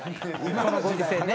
このご時世ね。